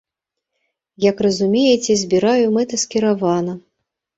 Як разумееце, збіраю мэтаскіравана.